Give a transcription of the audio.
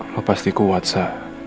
lo pasti kuat sa